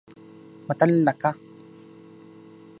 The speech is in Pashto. متل لکه